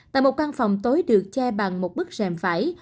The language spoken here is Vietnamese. tại một căn phòng tối được che bằng một bức rèm vải